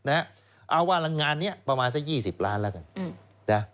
เอาว่างานนี้ประมาณสัก๒๐ล้านแล้วกัน